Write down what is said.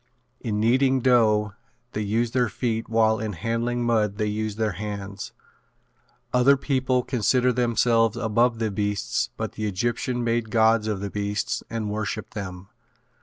In kneading dough they use their feet while in handling mud they use their hands. Other peoples consider themselves above the beasts but the Egyptians made gods of the beasts and worshipped them.